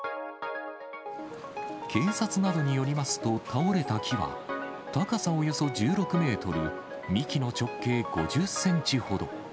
警察などによりますと、倒れた木は、高さおよそ１６メートル、幹の直径５０センチほど。